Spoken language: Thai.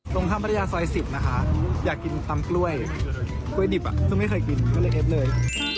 ตรงข้ามพัทยาซอย๑๐นะคะอยากกินตำกล้วยกล้วยดิบซึ่งไม่เคยกินก็เลยเอ็บเลย